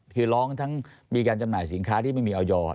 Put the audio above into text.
คือร้องทั้งมีการจำหน่ายสินค้าที่ไม่มีออยอร์